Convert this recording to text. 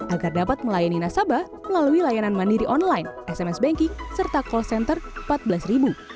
agar dapat melayani nasabah melalui layanan mandiri online sms banking serta call center rp empat belas